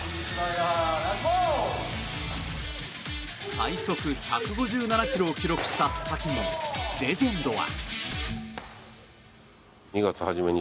最速１５７キロを記録した佐々木にレジェンドは。